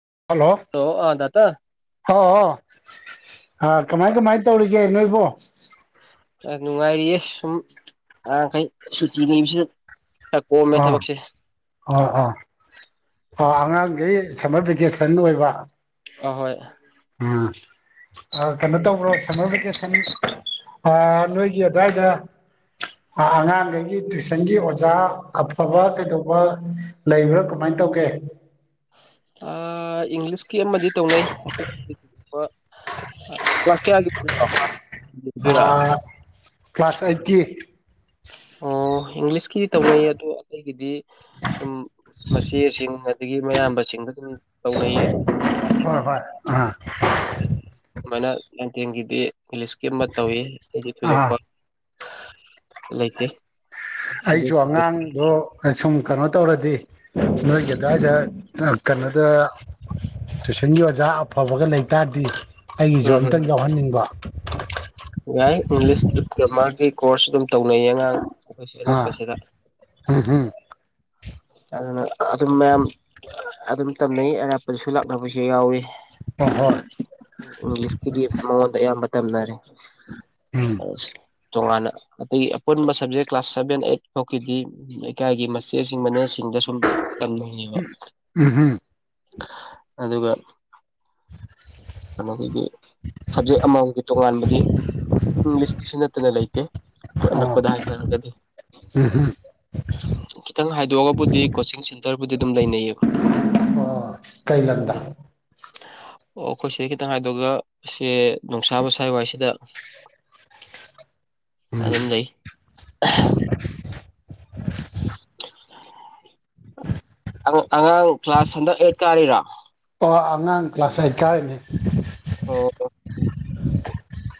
[unintelligible] ꯍꯥꯎ ꯍꯥꯎ ꯑꯥ ꯀꯃꯥꯏ ꯀꯃꯥꯏ ꯇꯧꯔꯤꯒꯦ ꯅꯣꯏꯕꯣ ꯑ‌ ꯅꯨꯡꯉꯥꯏꯔꯤꯌꯦ ꯁꯨꯝ ꯑ ꯀꯩ ꯁꯨꯇꯤ ꯂꯩꯕꯁꯦ ꯈꯔ ꯀꯣꯝꯃꯦ ꯑꯥ ꯊꯕꯛ ꯁꯦ ꯑꯥ ꯑꯥ ꯑꯥ ꯑꯉꯥꯡ ꯒꯩ ꯁꯥꯝꯃꯔ ꯚꯦꯀꯦꯁꯟ ꯑꯣꯏꯕ ꯑ ꯍꯣꯏ ꯎꯝ ꯑꯥ ꯀꯩꯅꯣ ꯇꯧꯕ꯭ꯔꫭ ꯁꯥꯃꯔ ꯚꯦꯀꯦ ꯁꯟ ꯑꯥ ꯅꯣꯏꯒꯤ ꯑꯗ꯭ꯋꯥꯏꯗ ꯑꯥ ꯑꯉꯥꯡꯒꯩꯒꯤ ꯇꯨꯏꯁꯟꯒꯤ ꯑꯣꯖꯥ ꯑꯐꯕ ꯀꯩꯗꯧꯕ ꯂꯩꯕ꯭ꯔ ꯀꯝꯃꯥꯏ ꯇꯧꯒꯦ ꯑꯥ ꯏꯪꯂꯤꯁꯀꯤ ꯑꯃꯗꯤ ꯇꯧꯅꯩ [unintelligible] ꯍꫭꯏ ꯀ꯭ꯂꯥꯁ ꯀꯌꯥꯒꯤ [unintelligible] ꯑꯥ ꯀ꯭ꯂꯥꯁ ꯑꯥꯏꯠꯀꯤ ꯑꯣ ꯏꯪꯂꯤꯁꯀꯤ ꯇꯧꯅꯩꯌꯦ ꯑꯗꯣ ꯑꯩꯒꯤꯗꯤ ꯁꯨꯝ ꯃꯆꯦꯁꯤꯡ ꯑꯗꯒꯤ ꯃꯌꯥꯝꯕꯁꯤꯡꯗ ꯑꯗꯨꯝ ꯇꯧꯅꯩꯌꯦ [inaudible] ꯍꯣꯏ ꯍꯣꯏ [unintelligible] ꯑꯗꯨꯃꯥꯏꯅ ꯅꯥꯏꯟ ꯇꯦꯟꯒꯤꯗꯤ ꯀꯣꯂꯦꯖꯀꯤ ꯑꯃ ꯇꯧꯋꯤ [unintelligible] ꯑꯥ ꯊꯣꯏꯗꯣꯛꯄ ꯂꯩꯇꯦ ꯑꯩꯖꯨ ꯑꯉꯥꯡꯗꯣ ꯁꯨꯝ ꯀꯅꯣ ꯇꯧꯔꯗꯤ ꯅꯣꯏꯒꯤ ꯑꯗ꯭ꯋꯥꯏꯗ ꯀꯅꯣꯗ ꯇꯨꯏꯁꯟꯒꯤ ꯑꯣꯖꯥ ꯑꯐꯕꯒ ꯂꯩꯇꯥꯔꯗꯤ ꯑꯩꯒꯤꯖꯨ ꯎꯝ ꯑꯝꯇꯪ ꯎꯝ ꯌꯥꯎꯍꯟꯅꯤꯡꯕ ꯌꯥꯏ ꯏꯪꯂꯤꯁ [unintelligible] ꯒ꯭ꯔꯃꯥꯔꯒꯤ ꯀꯣꯔꯁꯇꯨ ꯇꯧꯅꯩꯌꯦ ꯑꯉꯥꯡ ꯑꯈꯣꯏꯁꯤ ꯑꯥ ꯑꯅꯛꯄꯁꯤꯗ ꯎꯝ ꯍꯝ ꯑꯗꯨꯅ ꯑꯗꯨꯝ ꯃꯌꯥꯝ ꯑꯗꯨꯝ ꯇꯝꯅꯩ ꯑꯔꯥꯞꯄꯗꯁꯨ ꯂꯥꯛꯅꯕꯁꯨ ꯌꯥꯎꯋꯤ ꯍꯣꯏ ꯍꯣꯏ ꯏꯪꯂꯤꯁꯀꯤꯗꯤ ꯃꯉꯣꯟꯗ ꯑꯌꯥꯝꯕ ꯇꯝꯅꯔꯦ ꯎꯝ ꯑꯁ ꯇꯣꯉꯥꯟꯅ ꯑꯇꯩ ꯑꯄꯨꯟꯕ ꯁꯕꯖꯦꯛ ꯀ꯭ꯂꯥꯁ ꯁꯚꯦꯟ ꯑꯩ [unintelligible] ꯂꯩꯀꯥꯏꯒꯤ ꯃꯆꯦꯁꯤꯡ ꯃꯅꯦꯁꯤꯡꯗ ꯁꯨꯝ ꯇꯝꯅꯩꯌꯦꯕ ꯎꯝ ꯍꯝ ꯑꯗꯨꯒ ꯀꯅꯣꯒꯤꯗꯤ ꯁꯕꯖꯦꯛ ꯑꯃꯃꯝꯒꯤ ꯇꯣꯉꯥꯟꯕꯗꯤ ꯏꯪꯂꯤꯁꯀꯤꯁꯤ ꯅꯠꯇꯅ ꯂꯩꯇꯦ ꯑꯈꯣꯢ ꯑꯣ ꯑꯅꯛꯄꯗ ꯍꯥꯏꯇꯥꯔꯒꯗꯤ ꯈꯤꯇꯪ ꯍꯥꯏ ꯗꯣꯛꯑꯕꯨꯗꯤ ꯀꯣꯆꯤꯡ ꯁꯦꯟꯇꯔꯕꯨꯗꯤ ꯑꯗꯨꯝ ꯂꯩꯅꯩꯌꯦꯕ ꯑꯣ ꯀꯩ ꯂꯝꯗ ꯎꯝ ꯑꯣ ꯈꯣꯏ ꯁꯤꯗꯩ ꯈꯤꯇꯪ ꯍꯥꯏꯗꯣꯑꯒ ꯁꯦ ꯅꯣꯡꯁꯥꯕ ꯁ꯭ꯋꯥꯥꯏ ꯋꯥꯏꯁꯤꯗ ꯑꯗꯨꯝ ꯅꯩ [inaudible] ꯑ ꯑꯉꯥꯡ ꯀ꯭ꯂꯥꯁ ꯍꯟꯗꯛ ꯑꯩꯠ ꯀꯥꯔꯤꯔꫭ ꯑꯣ ꯑꯉꯥꯡ ꯀ꯭ꯂꯥꯁ ꯑꯥꯏꯠ ꯀꯥꯔꯤꯅꯤ [unintelligible]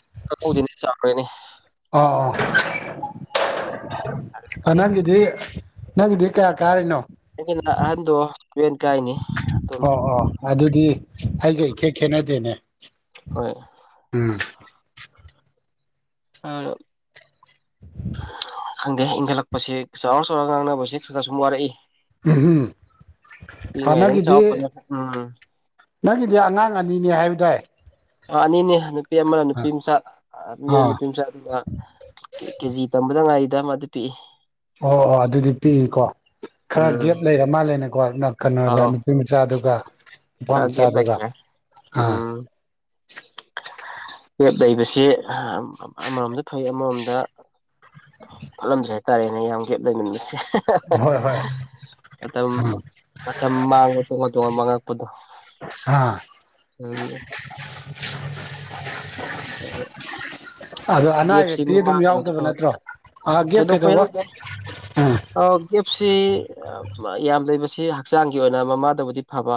[unintelligible] ꯑꯥꯎ [unintelligible] ꯅꯪꯒꯤꯗꯤ ꯅꯪꯒꯤꯗꯤ ꯀꯌꯥ ꯀꯥꯔꯤꯅꯣ [unintelligible] ꯀꯥꯏꯅꯦ ꯑꯣ ꯑꯣ ꯑꯗꯨꯗꯤ ꯑꯩꯒ ꯏꯈꯦꯠ ꯈꯦꯠꯅꯗꯦꯅꯦ ꯍꯣꯏ ꯎꯝ ꯑ ꯈꯪꯗꯦ ꯏꯪꯈꯠꯂꯛꯄꯁꯦ ꯆꯥꯎꯔ ꯆꯥꯎꯔꯒ ꯉꯥꯡꯅꯕꯁꯦ ꯈꯔ ꯈꯔ ꯁꯨꯝ ꯋꯥꯔꯏ [unintelligible] ꯑ ꯄꯤꯛꯏꯉꯩꯗꯅ ꯅꯪꯒꯤꯗꯤ ꯆꯥꯎꯔ ꯐꯖ ꯎꯝ ꯅꯪꯒꯤꯗꯤ ꯑꯉꯥꯡ ꯑꯅꯤꯅꯦ ꯍꯥꯏꯕꯗꯥꯏ ꯑꯅꯤꯅꯦ ꯅꯨ ꯄꯤ ꯑꯃꯅ ꯅꯨꯄꯤ ꯃꯆꯥ [unintelligible] ꯑꯥ ꯅꯨꯄꯤ ꯃꯆꯥ ꯑꯗꯨꯒ ꯀꯦꯖꯤ ꯇꯝꯕꯗ ꯉꯥꯏꯔꯤ [unintelligible] ꯑꯃꯗꯤ ꯄꯤꯏ ꯑꯣ ꯑꯣ ꯑꯗꯨꯗꯤ ꯄꯤꯏꯀꯣ ꯈꯔ ꯎꯝ ꯒꯦꯞ ꯂꯩꯔ ꯃꯥꯜꯂꯦꯅꯦꯀꯣ ꯅꯪ ꯀꯅꯣꯗ ꯑꯧ ꯅꯨꯄꯤ ꯃꯆꯥꯗꯨꯒ ꯅꯨꯄꯥ ꯈꯔ ꯒꯦꯞ ꯃꯆꯥꯗꯨꯒ ꯂꯩꯈ꯭ꯔꯦ ꯑꯥ ꯎꯝ [inaudible] ꯒꯦꯞ ꯂꯩꯕꯁꯤ [unintelligible] ꯑꯃꯔꯣꯝꯗ ꯐꯩ ꯑꯃꯔꯣꯝꯗ ꯐꯠꯂꯝꯗ꯭ꯔꯦ ꯍꯥꯏꯇꯥꯔꯦꯅꯦ ꯌꯥꯝ ꯒꯦꯞ ꯂꯩꯃꯟꯕꯁꯦ ꯍꯣꯏ ꯍꯣꯏ ꯃꯇꯝ ꯑꯥ ꯃꯇꯝ ꯃꯥꯡꯕ ꯇꯣꯉꯥꯟ ꯇꯣꯉꯥꯟ ꯃꯥꯡꯉꯛꯄꯗꯣ ꯍꯥꯥ ꯎꯝ ꯑꯗꯣ [inaudible] ꯑꯅꯥ ꯒꯦꯞꯁꯦ ꯑꯌꯦꯛꯇꯤ ꯑꯗꯨꯝ ꯃꯃꯥꯗꯕꯨꯗꯤ ꯌꯥꯎꯗꯕ ꯐꯕ ꯅꯠꯇ꯭ꯔꯣ ꯑꯥ ꯒꯦꯞ ꯊꯣꯏꯗꯣꯛꯄ ꯀꯩꯗꯧꯕ ꯌꯥꯎꯗꯦ ꯎꯝ ꯑꯧ ꯒꯦꯞ ꯁꯦ ꯌꯥꯝ ꯂꯩꯕꯁꯦ ꯍꯛꯆꯥꯡꯒꯤ ꯑꯣꯏꯅ ꯃꯃꯥꯗꯕꯨꯗꯤ ꯐꯕ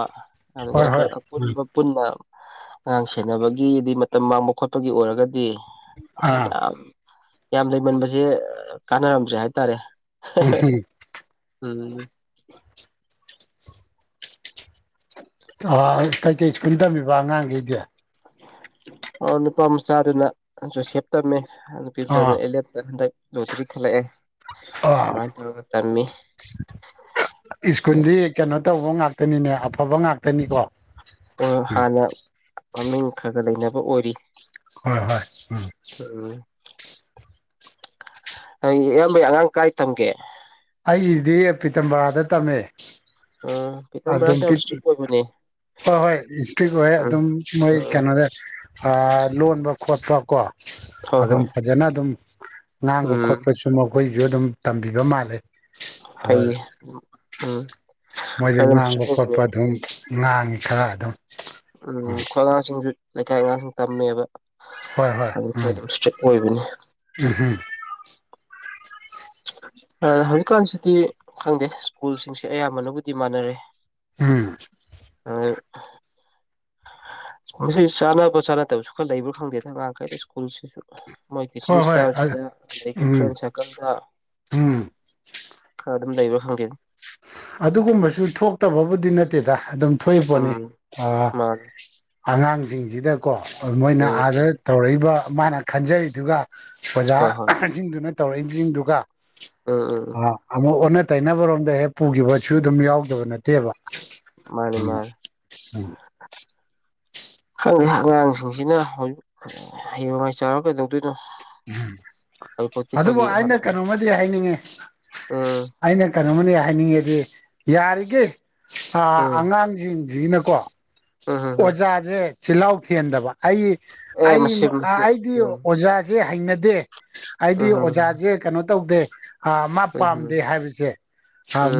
ꯑꯗꯨꯒ ꯍꯣꯏ ꯍꯣꯏ ꯑꯩꯈꯣꯏ ꯎꯝ ꯑꯄꯨꯟꯕ ꯄꯨꯟꯅ ꯑꯉꯥꯡ ꯁꯦꯟꯅꯕꯒꯤꯗꯤ ꯃꯇꯝ ꯃꯥꯡꯕ ꯈꯣꯠꯄꯒꯤ ꯑꯣꯏꯔꯒꯗꯤ ꯑꯥ ꯌꯥꯝ ꯌꯥꯝ ꯂꯩꯃꯟꯕꯖꯦ ꯀꯥꯟꯅꯔꯝꯗ꯭ꯔꯦ ꯍꯥꯏ ꯇꯥꯔꯦ ꯎꯝ [unintelligible] ꯎꯝ ꯑ ꯀꯩ ꯀꯩ ꯁ꯭ꯀꯨꯜ ꯇꯝꯃꯤꯕ ꯑꯉꯥꯡꯒꯩꯗꯤ ꯑꫭ ꯅꯨꯄꯥ ꯃꯆꯥꯗꯨꯅ ꯖꯣꯁꯦꯞ ꯇꯝꯃꯦ ꯅꯨꯄꯤ ꯑꯥ ꯃꯆꯥꯗꫭ ꯑꯦꯂꯦꯞꯇ ꯍꯟꯗꯛ ꯂꯣꯇꯔꯤ ꯈꯜꯂꯛꯑꯦ ꯑꯥ ꯑꯗꯨꯝꯃꯥꯏ ꯇꯧꯔꯒ ꯇꯝꯃꯤ [unintelligible] ꯁ꯭ꯀꯨꯗꯤ ꯀꯩꯅꯣ ꯇꯧꯕ ꯉꯥꯛꯇꯅꯤꯅꯦ ꯑꯐꯕ ꯉꯥꯛꯇꯅꯤꯀꯣ ꯍꯣꯏ ꯍꫭꯏ ꯍꯥꯟꯅ ꯃꯃꯤꯡ ꯈꯔ ꯈꯔ ꯂꯩꯅꯕ ꯑꯣꯏꯔꯤ ꯍꯣꯏ ꯍꯣꯏ ꯎꯝ ꯎꯝ [unintelligible] ꯏꯌꯥꯝꯕꯩ ꯑꯉꯥꯡ ꯀꯥꯏ ꯇꯝꯒꯦ ꯑꯩꯒꯤꯗꯤ ꯄꯤꯇꯝ ꯕꯔꯥꯗ ꯇꯝꯃꯦ ꯎꯝ ꯄꯤꯇꯝ ꯑꯗꯨꯝ ꯕꯔꯥꯁꯨ ꯌꯥꯝ ꯏꯁꯇ꯭ꯔꯤꯛ ꯑꯣꯏꯕꯅꯦ ꯍꯣꯏ ꯍꯣꯏ ꯏꯁꯇ꯭ꯔꯤꯛ ꯑꯣꯏꯌꯦ ꯎꯝ ꯑꯗꯨꯝ ꯃꯣꯏ ꯎꯝ ꯀꯩꯅꯣꯗ ꯑ ꯂꯣꯟꯕ ꯈꯣꯠꯄ ꯀꯣ ꯍꯣꯏ ꯑꯗꯨꯝ ꯍꯣꯏ ꯐꯖꯅ ꯑꯗꯨꯝ ꯉꯥꯡꯕ ꯎꯝ ꯈꯣꯠꯄꯁꯨꯃꯛ ꯃꫭꯏꯖꯨ ꯑꯗꯨꯝ ꯇꯝꯕꯤꯕ ꯃꯥꯜꯂꯦ ꯑꯗ ꯐꯩꯌꯦ ꯑꯗꯨꯝ ꯎꯝ ꯃꯣꯏꯗ ꯈꯔ ꯑꯗꯨꯝ ꯉꯥꯡꯕ ꯏꯁꯇ꯭ꯔꯤꯛ ꯈꫭꯠꯄ ꯑꯣꯏꯕꯅꯦꯕ ꯑꯗꯨꯝ ꯉꯥꯡꯉꯤ ꯈꯔ ꯑꯗꯨꯝ ꯎꯝ ꯈꯣꯏ ꯑꯉꯥꯡꯁꯤꯡꯁꯨ ꯂꯩꯀꯥꯏ ꯑꯉꯥꯡꯁꯤꯡ ꯇꯝꯃꯦꯕ ꯍꯣꯏ ꯍꯣꯏ ꯑꯗꯨ ꯈꯔ ꯎꯝ ꯑꯗꯨꯝ ꯏꯁꯇ꯭ꯔꯤꯛ ꯑꯣꯏꯕꯅꯦ ꯎꯝ ꯑ ꯍꯧꯖꯤꯛꯀꯥꯟꯁꯤꯗꯤ ꯈꯪꯗꯦ ꯁ꯭ꯀꯨꯜꯁꯤꯡꯁꯦ ꯑꯌꯥꯝꯕꯅꯕꯨꯗꯤ ꯃꯥꯟꯅꯔꯦ ꯎꯝ [inaudible] ꯁ꯭ꯀꯨꯜꯁꯤ ꯆꯥꯟꯅꯕ ꯆꯥꯟꯅꯗꯕꯁꯨ ꯈꯔ ꯂꯩꯕ꯭ꯔ ꯈꯪꯗꯦꯗ ꯑꯉꯥꯡꯈꯩꯗ ꯁ꯭ꯀꯨꯜꯁꯤꯁꯨ ꯃꯣꯏ ꯇꯤꯆꯤꯡ ꯍꯣꯏ ꯍꯣꯏ ꯏꯁꯇꯥꯏꯜꯁꯤꯗ ꯑꯗꯒꯤ ꯎꯝ ꯐ꯭ꯔꯦꯟ ꯁꯥꯔꯀꯟꯗ ꯎꯝ ꯈꯔ ꯑꯗꯨꯝ ꯂꯩꯕ꯭ꯔ ꯈꯪꯗꯦꯗ ꯑꯗꯨꯒꯨꯝꯕꯁꯨ ꯊꯣꯛꯇꯕꯕꯨꯗꯤ ꯅꯠꯇꯦꯗ ꯑꯗꯨꯝ ꯊꯣꯏꯄꯣꯠꯅꯤ ꯎꯝ ꯑ ꯃꯥꯅꯤ ꯑꯉꯥꯡꯖꯤꯡꯖꯤꯗꯀꯣ ꯃꯣꯏꯅ ꯎꯝ ꯑꯥꯗ ꯎꯝ ꯇꯧꯔꯛꯏꯕ ꯃꯥꯅ ꯈꯟꯖꯔꯤꯗꯨꯒ ꯍꯣꯏ ꯍꯣꯏ ꯑꯣꯖꯥꯖꯤꯡꯗꯨꯅ ꯇꯧꯔꯏꯖꯤꯡꯗꯨꯒ ꯎꯝ ꯎꯝ ꯎꯝ ꯑ ꯑꯃꯨꯛ ꯑꯣꯟꯅ ꯇꯩꯅꯕꯔꯣꯝꯗ ꯍꯦꯛ ꯄꯨꯒꯤꯕꯁꯨ ꯑꯗꯨꯝ ꯌꯥꯎꯗꯕ ꯅꯠꯇꯦꯕ ꯃꯥꯅꯤ ꯃꯥꯅꯤ ꯎꯝ ꯈꯪꯗꯦ ꯑꯉꯥꯡꯁꯤꯡꯁꯤꯅ [unintelligible] ꯍꯩꯌꯦꯡ ꯋꯥꯢ ꯆꯥꯎꯔ ꯀꯩꯗꯧꯗꯣꯏꯅꯣ ꯍꯧꯖꯤꯛꯐꯥꯎꯗꯤ ꯑꯗꯨꯕꯨ ꯑꯩꯈꯣꯏꯒꯤ ꯑꯩꯅ ꯍꯣꯠꯅꯐꯝ ꯀꯩꯅꯣꯝꯃꯗꯤ ꯍꯥꯏꯅꯤꯡꯉꯦ ꯎꯝ ꯑꯩꯅ ꯀ ꯀꯩꯅꯣꯝꯃꯗꯤ ꯍꯥꯏꯅꯤꯡꯉꯦꯗꯤ ꯌꯥꯔꯤꯒꯩ ꯑꯥ ꯎꯝ ꯑꯉꯥꯡꯖꯤꯡꯖꯤꯅꯀꯣ ꯎꯝ ꯎꯝ ꯎꯝ ꯑꯣꯖꯥꯖꯦ ꯆꯤꯜꯍꯥꯎ ꯊꯤꯍꯟꯗꯕ ꯑꯩ ꯑꯦ ꯑꯩ ꯃꯁꯤ ꯃꯁꯤ ꯑꯩꯗꯤ ꯎꯝ ꯑꯣꯖꯥꯖꯦ ꯍꯩꯅꯗꯦ ꯍꯥꯏꯗꯤ ꯎꯝ ꯑꯣꯖꯥꯖꯦ ꯀꯅꯣ ꯇꯧꯗꯦ ꯑꯥ ꯃꯥ ꯄꯥꯝꯗꯦ ꯎꯝ ꯍꯥꯏꯕꯖꯦ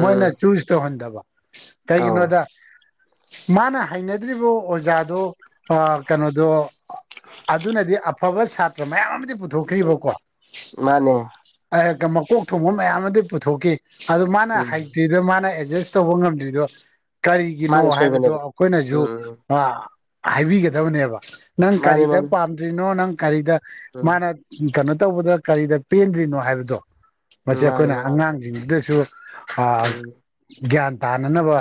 ꯃꯣꯏꯅ ꯆꯨꯁ ꯇꯧꯍꯟꯗꯕ ꯑꯧ ꯀꯩꯒꯤꯅꯣꯗ ꯃꯥꯅ ꯍꯩꯅ ꯗ꯭ꯔꯤꯕ ꯑꯣꯖꯥꯗꯣ ꯑ ꯀꯅꯣꯗꯣ ꯑꯗꯨꯅꯗꯤ ꯑ ꯑꯐꯕ ꯁꯥꯇ꯭ꯔ ꯃꯌꯥꯝ ꯑꯃꯗꯤ ꯄꯨꯊꯣꯛꯈ꯭ꯔꯤꯕꯀꯣ ꯃꯥꯅꯦ ꯃꯀꯣꯛ ꯊꯣꯡꯕ ꯃꯌꯥꯝ ꯑꯃꯗꯤ ꯄꯨꯊꯣꯛꯈꯤ ꯑꯗꯨ ꯃꯥꯅ ꯎꯝ ꯍꯩꯇ꯭ꯔꯤꯗꯣ ꯃꯥꯅ ꯑꯦꯖꯁ ꯇꯧꯕ ꯉꯝꯗ꯭ꯔꯤꯗꯣ ꯃꯥꯒꯤ ꯀꯔꯤꯒꯤꯅꯣ ꯍꯥꯏꯕꯗꯣ ꯑꯁꯣꯏꯕꯅꯦꯕ ꯑꯈꯣꯏꯅꯖꯨ ꯎꯝ ꯎꯝ ꯑ ꯍꯥꯏꯕꯤꯒꯗꯕꯅꯦꯕ ꯅꯪ ꯃꯥꯅꯤ ꯀꯔꯤꯗ ꯃꯥꯅꯤ ꯄꯥꯝꯗ꯭ꯔꯤꯅꯣ ꯅꯪ ꯀꯔꯤꯗ ꯎꯝ ꯃꯥꯅ ꯀꯅꯣ ꯇꯧꯕꯗꯣ ꯀꯔꯤꯗ ꯄꯦꯟꯗ꯭ꯔꯤꯅꯣ ꯍꯥꯏꯕꯗꯣ ꯃꯁꯤ ꯃꯥꯅꯤ ꯑꯈꯣꯏꯅ ꯃꯥꯅꯤ ꯑꯉꯥꯡꯖꯤꯡꯖꯤꯗꯁꯨ ꯑ ꯎꯝ ꯌꯥꯟ ꯇꯥꯅꯅꯕ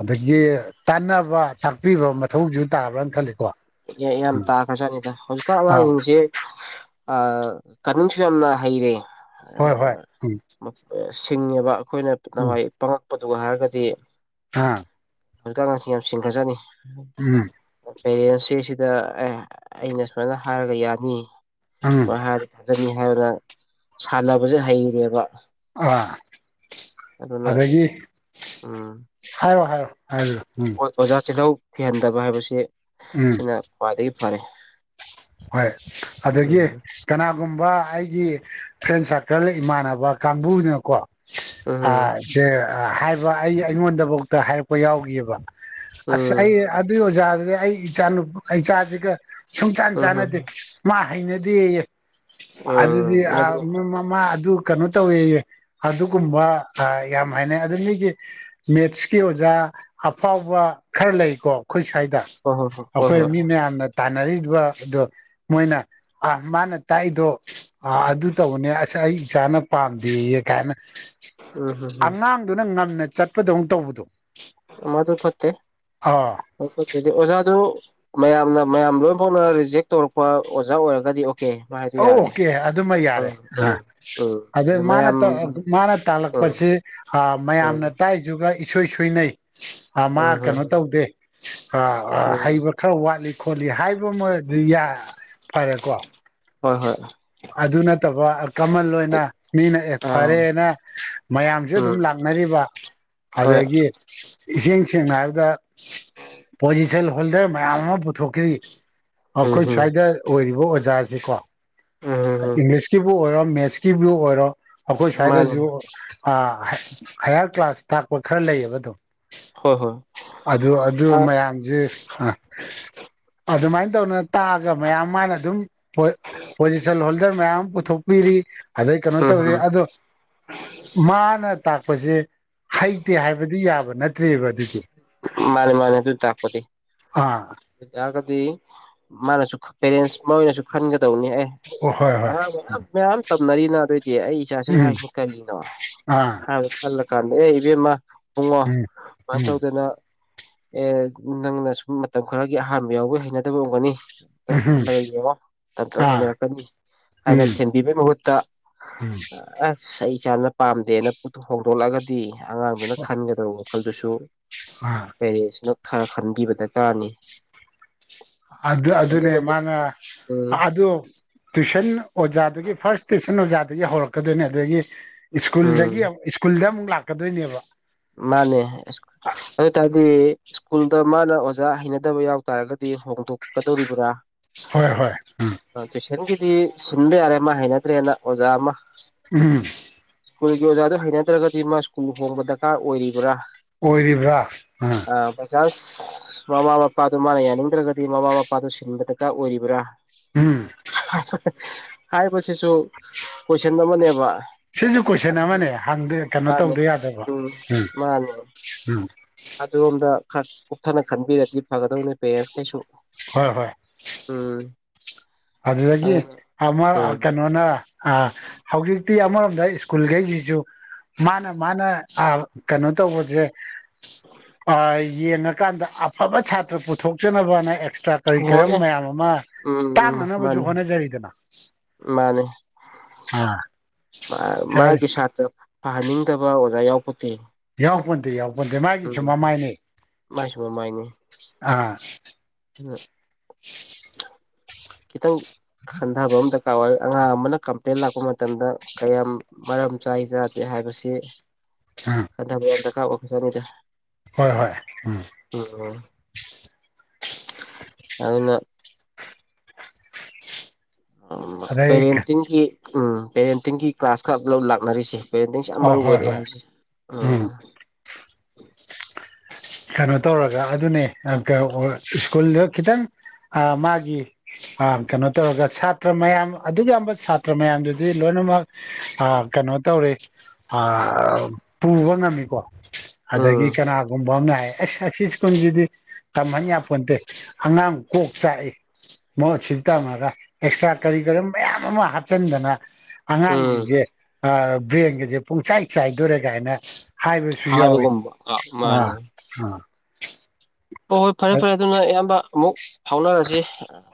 ꯑꯗꯒꯤ ꯇꯥꯟꯅꯕ ꯇꯥꯛꯄꯤꯕ ꯃꯊꯧꯖꯨ ꯇꯥꯕ꯭ꯔꯅ ꯈꯟꯂꯤꯀꫭ [unintelligible] ꯌꯥꯝ ꯇꯥꯈ꯭ꯔꯖꯥꯠꯅꯤꯗ ꯍꯧꯖꯤꯛꯀꯥꯟ ꯑꯥ ꯑꯉꯥꯡꯖꯤꯡꯖꯦ ꯑ ꯀꯅꯤꯡꯁꯨ ꯌꯥꯝꯅ ꯍꯩꯔꯦ ꯍꯣꯏ ꯍꯣꯏ ꯎꯝ [unintelligible] ꯁꯤꯡꯉꯦꯕ ꯑꯈꯣꯏꯅ ꯅꯋꯥꯏ ꯄꯪꯉꯛꯄꯗꯨꯒ ꯍꯥꯏꯔꯒꯗꯤ ꯍꯥꯥ ꯍꯧꯖꯤꯛꯀꯥꯟ ꯑꯉꯥꯡꯁꯤꯡ ꯌꯥꯝ ꯁꯤꯡꯈ꯭ꯔꯖꯥꯠꯅꯤ ꯎꯝ ꯄꯦꯔꯦꯟꯁ ꯁꯤꯗ ꯑꯦ ꯑꯩꯅ ꯁꯨꯃꯥꯏꯅ ꯍꯥꯏꯔꯒ ꯌꯥꯅꯤ ꯎꯝ ꯁꯨꯃꯥꯏꯅ ꯍꯥꯏꯔꯗꯤ ꯊꯥꯖꯅꯤ ꯍꯥꯏꯔ ꯁꯥꯟꯅꯕꯖꯦ ꯍꯩꯔꯦꯕ ꯑꯥ ꯑꯗꯨꯅ ꯑꯗꯒꯤ ꯎꯝ ꯍꯥꯏꯔꯣ ꯍꯥꯏꯔꯣ [unintelligible] ꯎꯝ ꯑꯣꯖꯥ ꯆꯤꯜꯍꯧ ꯊꯤꯍꯟꯗꯕ ꯍꯥꯏꯕꯁꯤ ꯎꯝ ꯁꯤꯅ ꯈ꯭ꯋꯥꯏꯗꯒꯤ ꯐꯔꯦ ꯍꯣꯏ ꯑꯗꯒꯤ ꯎꯝ ꯀꯅꯥ ꯒꯨꯝꯕ ꯑꯩꯒꯤ ꯐ꯭ꯔꯦꯟ ꯁꯥꯔꯀꯜ ꯏꯃꯥꯟꯅꯕ ꯀꯥꯡꯕꯨꯅꯀꯣ ꯎꯝ ꯑꯥ ꯁꯦ ꯍꯥꯏꯕ ꯑꯩ ꯑꯩꯉꯣꯟꯗꯕꫭꯛꯇ ꯍꯥꯏꯔꯛꯄ ꯌꯥꯎꯒꯤꯕ ꯑꯁ ꯑꯩ ꯎꯝ ꯑꯗꯨꯏ ꯑꯣꯖꯥꯗꯨꯗꯤ ꯑꯩ ꯏꯆꯥꯅꯨ ꯏꯆꯥꯖꯤꯒ ꯁꯨꯡꯆꯥꯟ ꯎꯝ ꯍꯝ ꯆꯥꯟꯅꯗꯦ ꯃꯥ ꯍꯩꯅꯗꯦꯌꯦ ꯑꯗꯨꯗꯤ ꯎꯝ ꯑꯗꯨ ꯑꯥ [unintelligible] ꯃꯃꯥ ꯗꯨ ꯀꯅꯣ ꯇꯧꯋꯦꯌꯦ ꯑꯗꯨꯒꯨꯝꯕ ꯌꯥꯝ ꯍꯥꯏꯅꯩ ꯑꯗꯨ ꯃꯤꯒꯤ ꯃꯦꯠꯁꯀꯤ ꯑꯣꯖꯥ ꯑꯐꯥꯎꯕ ꯈꯔ ꯂꯩꯀꯣ ꯑꯈꯣꯏ ꯁ꯭ꯋꯥꯏꯗ ꯍꯣꯏ ꯍꯣꯏ ꯍꯣꯏ ꯍꯣꯏ ꯑꯈꯣꯏ ꯃꯤ ꯍꯣꯏ ꯃꯌꯥꯝꯅ ꯇꯥꯟꯅꯔꯤꯗꯨꯒ ꯑꯗꯣ ꯃꯣꯏꯅ ꯑ ꯃꯥꯅ ꯇꯥꯛꯏꯗꯣ ꯑꯥ ꯑꯗꯨ ꯇꯧꯕꯅꯦ ꯑꯁ ꯑꯩ ꯏꯆꯥꯅ ꯄꯥꯝꯗꯦꯌꯦ ꯀꯥꯏꯅ ꯎꯝ ꯍꯝ ꯍꯝ ꯑꯉꯥꯡꯗꯨꯅ ꯉꯝꯅ ꯆꯠꯄꯗꯧ ꯇꯧꯕꯗꯣ ꯃꯗꯨ ꯐꯠꯇꯦ ꯑꯥ ꯃꯗꯨ ꯐꯠꯇꯦꯗꯤ ꯑꯣꯖꯥ ꯅꯪ ꯃꯌꯥꯝꯅ ꯃꯌꯥꯝ ꯂꯣꯏꯝ ꯐꯥꯎꯅ ꯔꯤꯖꯦꯛ ꯇꯧꯔꯛꯄ ꯑꯣꯖꯥ ꯑꯣꯏꯔꯒꯗꯤ ꯑꫭ ꯑꯣꯀꯦ ꯑꯗꯨꯃ ꯌꯥꯔꯦ ꯑꯥ ꯎꯝ ꯎꯝ ꯑꯗꯨ ꯃꯥꯅ ꯃꯌꯥꯝ [unintelligible] ꯃꯥꯅ ꯇꯥꯂꯛ ꯎꯝ ꯄꯁꯦ ꯑ ꯎꯝ ꯃꯌꯥꯝꯅ ꯇꯥꯛꯏꯗꯨꯒ ꯏꯁꯣꯏ ꯁꯣꯏꯅꯩ ꯑꯥ ꯃꯥ ꯎꯝ ꯎꯝ ꯀꯅꯣ ꯇꯧꯗꯦ ꯑ ꯎꯝ ꯍꯩꯕ ꯈꯔ ꯋꯥꯠꯂꯤ ꯈꯣꯠꯂꯤ ꯍꯥꯏꯕꯃꯗꯤ ꯌꯥ ꯐꯔꯦꯀꯣ ꯍꯣꯏ ꯍꯣꯏ ꯑꯗꯨ ꯅꯠꯇꯕ ꯀꯃꯜ ꯑꯣꯏꯅ ꯑꯩ ꯃꯤꯅ ꯑꯦ ꯑꯥ ꯐꯔꯦꯅ ꯃꯌꯥꯝꯁꯨ ꯑꯗꯨꯝ ꯎꯝ ꯂꯥꯛꯅꯔꯤꯕ ꯍꯣꯏ ꯑꯗꯒꯤ ꯏꯁꯦꯡ ꯁꯦꯡꯅ ꯍꯥꯏꯕꯗ ꯄꯣꯖꯤꯁꯟ ꯍꯣꯜꯗꯔ ꯃꯌꯥꯝ ꯑꯃ ꯄꯨꯊꯣꯛꯈꯤ ꯎꯝ ꯑꯈꯣꯏ ꯍꯝ ꯁ꯭ꯋꯥꯏꯗ ꯑꯣꯏꯔꯤ [unintelligible] ꯑꯣꯖꯥꯖꯤꯀꯣ ꯎꯝ ꯍꯝ ꯍꯝ ꯏꯪꯂꯤꯁꯀꯤꯕꯨ ꯑꯣꯏꯔꯣ ꯃꯦꯠꯁꯀꯤꯕꯨ ꯑꯣꯏꯔꯣ ꯑꯈꯣꯏ ꯃꯥꯅꯦ ꯁ꯭ꯋꯥꯏꯗꯁꯨ ꯍꯥꯏꯌꯥꯔ ꯀ꯭ꯂꯥꯁ ꯇꯥꯛꯄ ꯈꯔ ꯂꯩꯌꯦꯕ ꯑꯗꯨꯝ ꯍꯣꯏ ꯍꯣꯏ ꯑꯗꯨ ꯑꯗꯨ ꯑꯥ ꯃꯌꯥꯝꯖꯦ ꯑ ꯑꯗꯨꯃꯥꯏꯟ ꯇꯧꯅ ꯇꯥꯑꯒ ꯃꯌꯥꯝ ꯃꯥꯅ ꯑꯗꯨꯝ ꯄꫭ ꯄꯣꯖꯤꯁꯜ ꯍꯣꯜꯗꯔ ꯃꯌꯥꯝ ꯄꯨꯊꯣꯛꯄꯤꯔꯤ ꯑꯗꯩ ꯀꯅꯣ ꯎꯝ ꯇꯧꯋꯤ ꯍꯝ ꯑꯗꯣ ꯃꯥꯅ ꯇꯥꯛꯄꯖꯦ ꯍꯩꯇꯦ ꯍꯥꯏꯕꯗꯤ ꯌꯥꯕ ꯅꯠꯇ꯭ꯔꯤꯕ ꯃꯥꯅꯦ ꯃꯥꯅꯦ ꯑꯗꯨꯅ ꯇꯥꯛꯄꯗꯤ ꯑꯥ ꯑꯗꯨꯏꯇꯥꯔꯒꯗꯤ ꯃꯥꯅꯁꯨ [unintelligible] ꯄꯦꯔꯦꯟꯁ ꯃꯣꯏꯅꯁꯨ ꯈꯟꯒꯗꯧꯅꯦ ꯑꯦ ꯑꯣ ꯍꯣꯏ ꯍꯣꯏ ꯑꯉꯥꯡ ꯃꯌꯥꯝ ꯃꯌꯥꯝ ꯇꯝꯅꯔꯤꯅ ꯑꯗꯨꯏꯗꯤ ꯑꯩ ꯏꯆꯥꯁꯤꯅ ꯎꯝ ꯍꯥꯏꯔꯤꯁꯤꯅ ꯀꯔꯤꯅꯣ ꯑꯥ ꯍꯥꯢꯕꯗꯣ ꯈꯜꯂ ꯀꯥꯟꯗ ꯍꯦ ꯏꯕꯦꯝꯃ ꯎꯝ ꯁꯨꯃꯥꯏ ꯎꯝ ꯇꯧꯗꯅ ꯑꯦ ꯅꯪꯅ ꯁꯨꯝ ꯃꯇꯝ ꯈꯔꯒꯤ ꯑꯍꯥꯟꯕ ꯌꯥꯎꯕꯒꯤ ꯍꯩꯅꯗꯕ ꯑꯣꯏꯔꯝꯒꯅꯤ ꯇꯪ ꯎꯝ ꯈꯜꯂꯒ ꯌꯦꯡꯉꯣ ꯇꯞ ꯇꯞꯅ ꯑꯥ ꯍꯩꯅꯔꯛꯀꯅꯤ ꯍꯥꯏꯅ ꯎꯝ ꯊꯦꯝꯕꯤꯕꯩ ꯃꯍꯨꯠꯇ ꯎꯝ [inaudible] [unintelligible] ꯑꯩ ꯏꯆꯥꯅ ꯄꯥꯝꯗꯦꯅ [unintelligible] ꯍꯣꯡꯗꯣꯛꯂꯒꯗꯤ ꯑꯉꯥꯡꯗꯨꯅ ꯈꯟꯒꯗꯕ ꯋꯥꯈꯜꯗꯨꯁꯨ ꯑꯥ ꯄꯦꯔꯦꯟꯁꯅ ꯈꯔ ꯈꯟꯕꯤꯕ ꯗꯔꯀꯥꯔꯅꯤ ꯑꯗꯨ ꯑꯗꯨꯅꯦ ꯑꯗꯨꯅꯅꯤ ꯃꯥꯅ ꯎꯝ ꯑꯥꯗꯨ ꯇꯨꯏꯁꯟ ꯑꯣꯖꯥꯗꯒꯤ ꯐꯥꯔꯁ ꯇꯨꯏꯁꯟ ꯑꯣꯖꯥ ꯗꯒꯤ ꯍꯧꯔꯛꯀꯗꯣꯏꯅꯦ ꯑꯗꯒꯤ ꯎꯝ ꯁ꯭ꯀꯨꯜꯗꯒꯤ [unintelligible] ꯁ꯭ꯀꯨꯜꯗ ꯑꯃꯨꯛ ꯂꯥꯛꯀꯗꯣꯏꯅꯦꯕ ꯃꯥꯅꯦ ꯑꯗꯨꯇꯥꯔꯗꯤ ꯁ꯭ꯀꯨꯜꯗ ꯃꯥꯅ ꯑꯣꯖꯥ ꯍꯩꯅꯗꯕ ꯌꯥꯎ ꯇꯥꯔꯒ ꯗꯤ ꯍꯣꯡꯗꯣꯛꯀꯗꯧꯔꯤꯕ꯭ꯔ ꯍꯣꯏ ꯍꯣꯏ ꯇꯨꯢꯁꯟꯒꯤ ꯗꯤ ꯁꯤꯟꯕ ꯌꯥꯔꯦ ꯃꯥ ꯍꯩꯅꯗ꯭ꯔꯦꯅ ꯑꯣꯖꯥ ꯑꯃ ꯎꯝ ꯁ꯭ꯀꯨꯜꯒꯤ ꯑꯣꯖꯥꯗꯣ ꯍꯩꯅꯗ꯭ꯔꯒꯗꯤ ꯃꯥ ꯁ꯭ꯀꯨꯜ ꯍꯣꯡꯕ ꯗꯔꯀꯥꯔ ꯑꯣꯏꯔꯤꯕ꯭ꯔ ꯑꯣꯏꯔꯤꯕ꯭ꯔ ꯑ [unintelligible] ꯃꯃꯥ ꯃꯄꯥꯗꯨ ꯃꯥꯅ ꯌꯥꯅꯤꯡꯗ꯭ꯔꯒꯗꯤ ꯃꯃꯥ ꯃꯄꯥꯗꯨ ꯁꯤꯟꯕ ꯗꯔꯀꯥꯔ ꯑꯣꯏꯔꯤꯕ꯭ꯔꯥ ꯎꯝ [unintelligible] ꯍꯥꯏꯕꯁꯤꯁꯨ ꯀꯣꯏꯁꯟ ꯑꯃꯅꯦꯕ ꯁꯤꯖꯨ ꯀꯣꯏꯁꯟ ꯑꯗꯨ ꯑꯃꯅꯦ ꯍꯪꯗ ꯀꯩꯅꯣ ꯃꯥꯅꯦ ꯇꯧꯗ ꯌꯥꯗꯕ꯭ꯔꫭ ꯎꯝ ꯃꯥꯅꯦ ꯑꯗꫭꯝ ꯗ ꯈꯔ ꯀꯨꯞꯊꯅ ꯈꯟꯕꯤꯔꯗꯤ ꯐꯒꯗꯧꯅꯦ ꯄꯦꯔꯦꯟꯁ ꯀꯩꯁꯨ ꯍꯣꯏ ꯍꯣꯏ ꯎꯝ ꯑꯗꯨꯗꯒꯤ ꯑꯗꯨꯅ ꯑꯃ ꯎꯝ ꯀꯅꯣꯅ ꯑꯥ ꯍꯧꯖꯤꯛꯇꯤ ꯑꯃꯔꯣꯝꯗ ꯁ꯭ꯀꯨꯜꯒꯩꯖꯤꯖꯨ ꯃꯥꯅ ꯃꯥꯅ ꯑꯥ ꯀꯅꯣ ꯇꯧꯕꯖꯦ ꯑ ꯌꯦꯡꯉꯀꯥꯟꯗ ꯑꯐꯕ ꯁꯥꯇ꯭ꯔ ꯄꯨꯊꯣꯛꯆꯅꯕꯅ ꯇ꯭ꯔꯥ ꯍꯣꯏ ꯀꯔꯤꯀꯔꯝ ꯑꯦ ꯃꯌꯥꯝ ꯑꯃ ꯎꯝ ꯇꯥꯛꯅꯅꯕꯖꯨ ꯃꯥꯅꯤ ꯍꯣꯠꯅꯖꯔꯤꯗꯅ ꯃꯥꯅꯤ ꯑ [unintelligible] ꯃꯥꯒꯤ ꯁꯥꯇ꯭ꯔ ꯐꯍꯟꯅꯤꯡꯗꯕ ꯑꯣꯖꯥ ꯌꯥꯎ ꯌꯥꯎꯄꯣꯟꯇꯦ ꯌꯥꯎꯄꯣꯟꯇꯦ ꯃꯥꯒꯤꯁꯨ ꯎꯝ ꯃꯃꯥꯏꯅꯦ ꯃꯥꯏꯁꯨ ꯃꯃꯥꯏꯅꯤ ꯑꯥ ꯈꯤꯇꯪ ꯈꯟꯗꯕ ꯑꯃ ꯗꯔꯀꯥꯔ ꯑꯣꯏ ꯑꯉꯥꯡ ꯑꯃꯅ ꯀꯝꯄ꯭ꯂꯦꯟ ꯂꯥꯛꯄ ꯃꯇꯝꯗ ꯀꯌꯥꯝ ꯃꯔꯝ ꯆꯥꯏ ꯆꯥꯗꯦ ꯍꯥꯏꯕꯁꯤ ꯎꯝ ꯈꯟꯊꯕ ꯌꯥꯝ ꯗꯔꯀꯥꯔ ꯑꯣꯏꯕ ꯖꯥꯠꯅꯤꯗ ꯍꯣꯏ ꯍꯣꯏ ꯎꯝ ꯑꯗꯨꯅ ꯎꯝ ꯑꯗꯩ ꯄꯦꯔꯦꯟꯇꯤꯡꯒꯤ ꯎꯝ ꯄꯦꯔꯦꯟꯇꯤꯡꯒꯤ ꯀ꯭ꯂꯥꯁ ꯈꯛ ꯂꯧ ꯂꯥꯛꯅꯔꯤꯁꯦ ꯄꯦꯔꯦꯟꯇꯤꯡꯁꯦ ꯌꯥꯝ ꯑꯧ ꯃꯔꯨ ꯍꯣꯏ ꯑꯣꯏꯔꯑꯦ ꯍꯣꯏ ꯍꯥꯏꯕꯁꯦ ꯎꯝ [inaudible] ꯀꯅꯣ ꯇꯧꯔꯒ ꯑꯗꯨꯅꯦ [unintelligible] ꯁ꯭ꯀꯨꯜꯗ ꯈꯤꯇꯪ ꯑ ꯃꯥꯒꯤ ꯑ ꯀꯅꯣ ꯇꯧꯔꯒ ꯁꯥꯇ꯭ꯔ ꯃꯌꯥꯝ ꯑꯗꯨꯛ ꯌꯥꯝꯕ ꯁꯥꯇ꯭ꯔ ꯃꯌꯥꯝꯗꯨꯗꯤ ꯂꯣꯏꯅꯃꯛ ꯑꯥ ꯀꯅꯣ ꯇꯧꯔꯦ ꯑꯥ ꯄꯨꯕ ꯉꯝꯃꯤꯀꯣ ꯎꯝ ꯑꯗꯒꯤ ꯀꯅꯥ ꯒꯨꯝꯕꯅ ꯍꯥꯏ ꯑꯁ ꯑꯁꯤ ꯁ꯭ꯀꯨꯜꯖꯤꯗꯤ ꯇꯝꯍꯟ ꯌꯥꯄꯣꯟꯇꯦ ꯑꯉꯥꯡ ꯀꯣꯛ ꯆꯥꯛꯏ ꯃꯣꯏ ꯑꯁꯤꯗ ꯇꯝꯃꯒ ꯑꯦꯛꯁꯇ꯭ꯔꯥ ꯀꯔꯤ ꯀꯔꯝ ꯃꯌꯥꯝ ꯑꯃ ꯍꯥꯞꯆꯟꯗꯅ ꯎꯝ ꯑꯉꯥꯡꯖꯤꯡꯖꯦ ꯑ ꯕ꯭ꯔꯦꯟꯒꯖꯦ ꯄꯨꯡꯆꯥꯏ ꯆꯥꯏꯗꯣꯔꯦ ꯒꯥꯏꯅ ꯍꯥꯏꯕꯁꯨ ꯌꯥꯎꯋꯤ ꯑ ꯑ ꯍꫭ ꯍꯣꯏ ꯐꯔꯦ ꯐꯔꯦ ꯑꯗꯨꯅ ꯏꯌꯥꯝꯕ ꯑꯃꯨꯛ ꯐꯥꯎꯅꯔꯖꯤ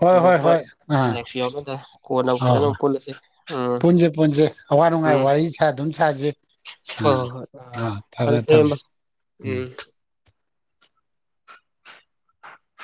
ꯍꯣꯏ ꯍꯣꯏ ꯊꯣꯏꯗꯣꯛꯄ ꯍꯣꯏ ꯑꯥ [unintelligible] ꯀꯣꯟꯅ ꯑꯃꯨꯛ ꯐꯖꯅꯃꯨꯛ ꯄꯨꯜꯂꯁꯤ ꯎꯝ ꯄꯨꯟꯖꯦ ꯄꯨꯟꯖꯦ ꯑꯋꯥ ꯅꯨꯡꯉꯥꯏ ꯎꯝ ꯋꯥꯔꯤ ꯁꯥꯗꯨꯝ ꯁꯥꯖꯦ ꯍꯣꯏ ꯍꯣꯏ ꯍꯣꯏ ꯑ ꯐꯔꯦ ꯐꯔꯦ ꯏꯌꯥꯝꯕ ꯎꯝ